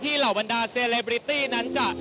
เหล่าบรรดาเซเลบริตี้นั้นจะ